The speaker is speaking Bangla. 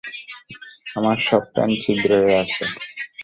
আমার সব প্যান্ট ছিদ্র হয়ে আছে।